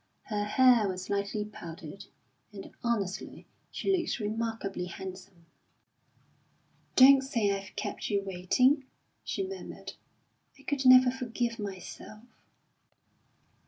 Her hair was lightly powdered, and honestly she looked remarkably handsome. "Don't say I've kept you waiting," she murmured. "I could never forgive myself."